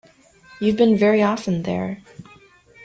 You've been very often there.